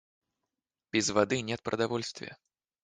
Без воды нет продовольствия.